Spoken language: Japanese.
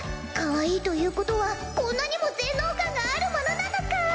かわいいということはこんなにも全能感があるものなのか。